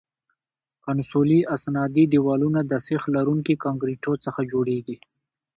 کنسولي استنادي دیوالونه د سیخ لرونکي کانکریټو څخه جوړیږي